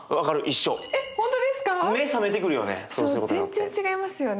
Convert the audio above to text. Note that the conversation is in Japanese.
全然違いますよね。